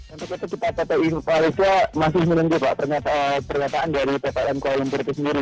untuk itu kita ppi malaysia masih menunggu pak pernyataan dari ppm kuala lumpur itu sendiri